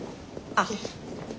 あっ。